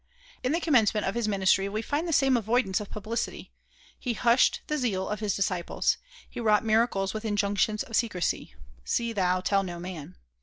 In the commencement of his ministry we find the same avoidance of publicity. He hushed the zeal of his disciples. He wrought miracles with injunctions of secrecy "See thou tell no man."